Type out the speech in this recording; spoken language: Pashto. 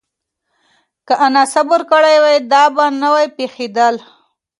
که انا صبر کړی وای، دا به نه پېښېدل.